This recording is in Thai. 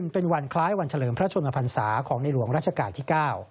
เป็นวันคล้ายวันเฉลิมพระชนมพันศาของในหลวงราชการที่๙